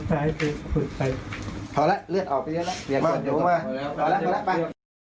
พอแล้วไป